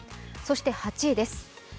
そして８位です。